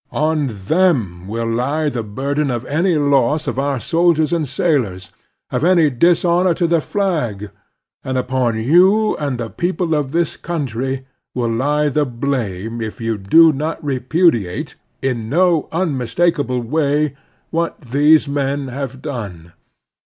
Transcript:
On them will lie the burden of any loss of our soldiers and sailors, of any dishonor to the flag; and upon you and the people of this cotmtry will lie the blame if you do not repudiate, in no unmistakable way, what these men have done.